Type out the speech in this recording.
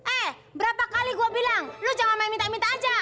eh berapa kali gue bilang lu jangan main minta minta aja